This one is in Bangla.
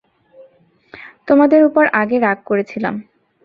তোমাদের উপর আগে রাগ করেছিলাম।